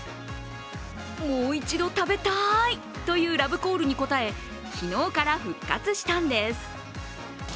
もう一度食べたい！というラブコールに応え昨日から復活したんです。